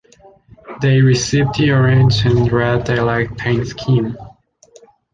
They received the orange and red "Daylight" paint scheme.